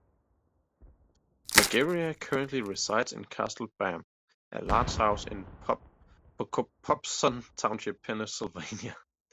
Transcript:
Margera currently resides in Castle Bam, a large house in Pocopson Township, Pennsylvania.